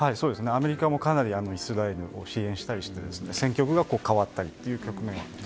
アメリカもかなりイスラエルを支援したりしていて戦局が変わったりという局面も。